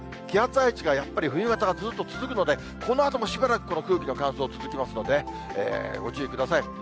気圧配置がやっぱり冬型がずっと続くので、このあともしばらくこの空気の乾燥続きますので、ご注意ください。